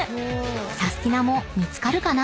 ［サスティな！も見つかるかな？］